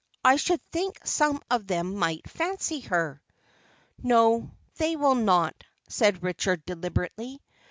I should think some of them might fancy her." "No, they will not," said Richard deliberately.